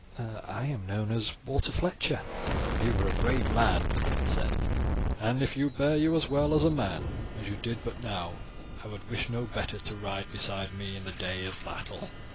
"I am known as Walter Fletcher." "You are a brave lad," the prince said, "and if you bear you as well as a man as you did but now, I would wish no better to ride beside me in the day of battle.